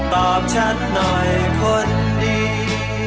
ตอบฉันหน่อยคนดี